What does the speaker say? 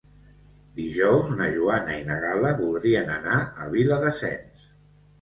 Dijous na Joana i na Gal·la voldrien anar a Viladasens.